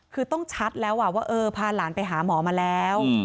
คือต้องชัดแล้วว่าเออพาหลานไปหาหมอมาแล้ว